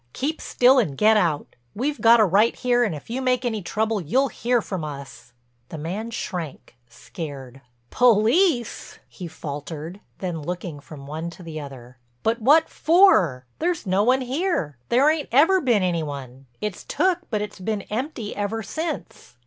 Keep still and get out. We've got a right here and if you make any trouble you'll hear from us." The man shrank, scared. "Police!" he faltered, then looking from one to the other. "But what for? There's no one here, there ain't ever been any one—it's took but it's been empty ever since."